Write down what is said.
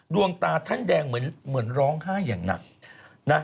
ดวงตาท่านแดงเหมือนร้องไห้อย่างหนักนะ